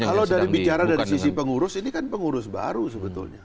kalau dari bicara dari sisi pengurus ini kan pengurus baru sebetulnya